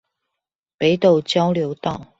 北斗交流道